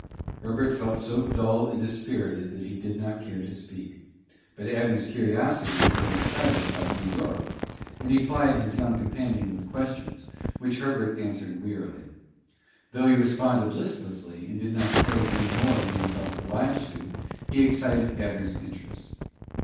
Herbert felt so dull and dispirited that he did not care to speak, but Abner's curiosity had been excited about New York, and he plied his young companion with questions, which Herbert answered wearily. Though he responded listlessly, and did not say any more than he felt obliged to, he excited Abner's interest.